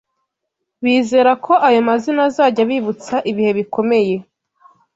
bizera ko ayo mazina azajya abibutsa ibihe bikomeye